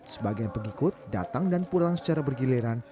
sebagian pengikut datang dan pulang secara bergiliran